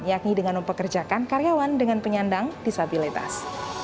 yakni dengan mempekerjakan karyawan dengan penyandang disabilitas